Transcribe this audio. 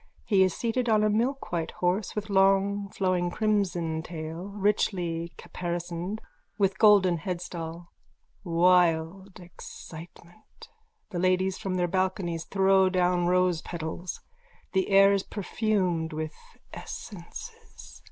He is seated on a milkwhite horse with long flowing crimson tail, richly caparisoned, with golden headstall. Wild excitement. The ladies from their balconies throw down rosepetals. The air is perfumed with essences.